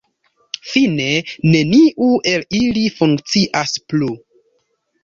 Fine, neniu el ili funkcias plu.